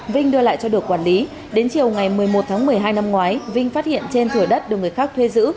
vinh đưa lại cho được quản lý đến chiều ngày một mươi một tháng một mươi hai năm ngoái vinh phát hiện trên thửa đất được người khác thuê giữ